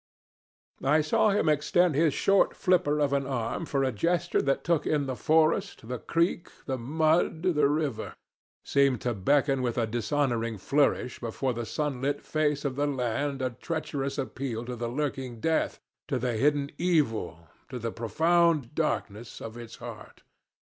I saw him extend his short flipper of an arm for a gesture that took in the forest, the creek, the mud, the river, seemed to beckon with a dishonoring flourish before the sunlit face of the land a treacherous appeal to the lurking death, to the hidden evil, to the profound darkness of its heart.